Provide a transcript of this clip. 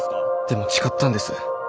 でも誓ったんです。